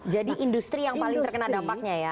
jadi industri yang paling terkena dampaknya ya